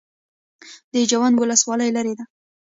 د جوند ولسوالۍ لیرې ده